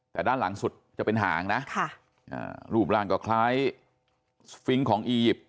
แต่ด้านหลังสุดจะเป็นหางนะรูปร่างก็คล้ายสฟิงค์ของอียิปต์